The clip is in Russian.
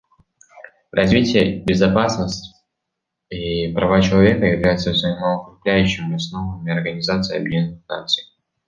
Развитие, безопасность и права человека являются взаимоукрепляющими основами Организации Объединенных Наций.